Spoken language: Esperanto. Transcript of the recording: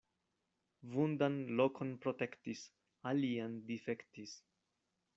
Vundan lokon protektis, alian difektis.